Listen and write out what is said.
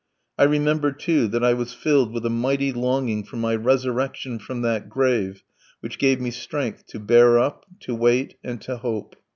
I remember, too, that I was filled with a mighty longing for my resurrection from that grave which gave me strength to bear up, to wait, and to hope.